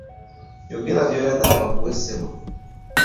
Yogera ky'oyagala bakuwe ssebo.